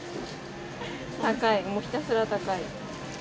高い、もうひたすら高い。